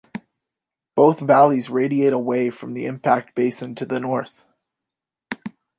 Both valleys radiate away from the impact basin to the north.